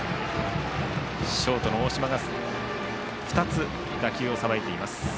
ショートの大島が２つ打球をさばいています。